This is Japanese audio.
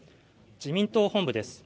自民党本部です。